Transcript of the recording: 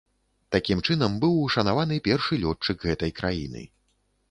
Такім чынам быў ушанаваны першы лётчык гэтай краіны.